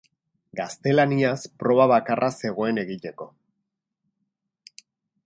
Gaztelaniaz proba bakarra zegoen egiteko.